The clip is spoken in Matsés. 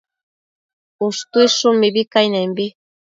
Ushtuidshun mibi cainembi